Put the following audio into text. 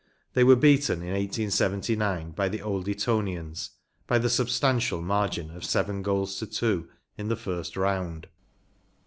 They were beaten in 1879 by the Old Etonians by the substantial margin of seven goals to two in the first round.